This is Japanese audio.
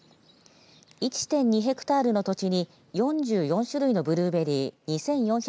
１．２ヘクタールの土地に４４種類のブルーベリー２４００